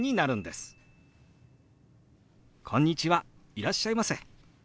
いらっしゃいませ」。